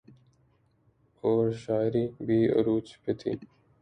اورشاعری بھی عروج پہ تھی۔